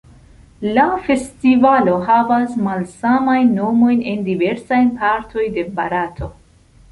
La festivalo havas malsamajn nomojn en diversaj partoj de Barato.